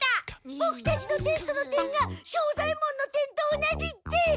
ボクたちのテストの点が庄左ヱ門の点と同じって。